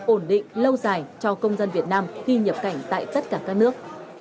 ổn định lâu dài cho công dân việt nam khi nhập cảnh tại tất cả các nước